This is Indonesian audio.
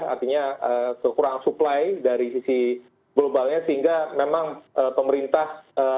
artinya kekurangan supply dari sisi globalnya sehingga memang pemerintah